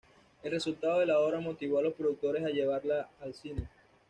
El resultado de la obra motivó a los productores a llevarla al cine.